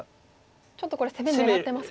ちょっとこれ攻め狙ってますか。